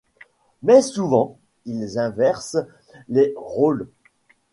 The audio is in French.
Mais souvent, ils inversent les rôles.